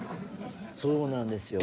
そうなんですよ。